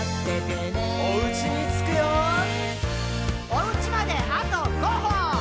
「おうちまであと５歩！」